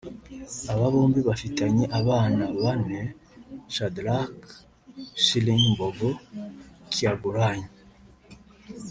Aba bombi bafitanye abana bane Shadraq Shilling Mbogo Kyagulanyi